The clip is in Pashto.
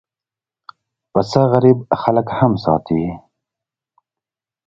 پسه غریب خلک هم ساتي.